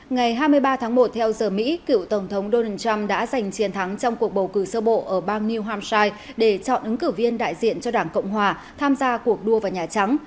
ngày hai mươi ba tháng một theo giờ mỹ cựu tổng thống donald trump đã giành chiến thắng trong cuộc bầu cử sơ bộ ở bang new hampshire để chọn ứng cử viên đại diện cho đảng cộng hòa tham gia cuộc đua vào nhà trắng